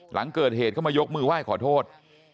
หลังเกิดเหตุก็มายกมือไหว้ขอโทษ